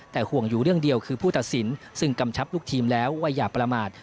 แต่ห่วงอยู่เรื่องเดียวคือผู้ตัดสินซึ่งกำชับลูกทีมแล้วว่าอย่าประมาท